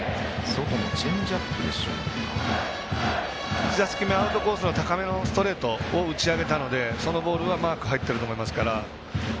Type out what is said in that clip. １打席目、アウトコースの高めのストレートを打ち上げたので、そのボールはマーク入ってると思いますから。